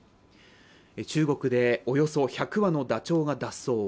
中国でおよそ１００羽のだちょうが脱走。